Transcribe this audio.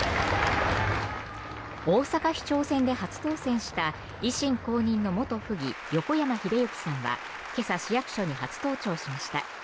大阪市長選で初当選した維新公認の元府議横山英幸さんは今朝、市役所に初登庁しました。